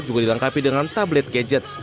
juga dilengkapi dengan tablet gadgets